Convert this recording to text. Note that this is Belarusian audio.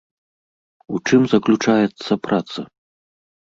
У чым заключаецца праца?